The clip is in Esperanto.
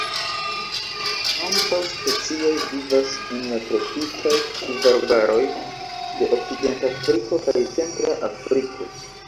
Ambaŭ specioj vivas en la tropikaj pluvarbaroj de Okcidentafriko kaj Centra Afriko.